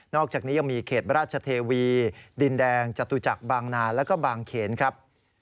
อกจากนี้ยังมีเขตราชเทวีดินแดงจตุจักรบางนาแล้วก็บางเขนครับ